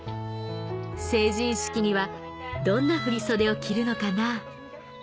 成人式にはどんな振り袖を着るのかな？」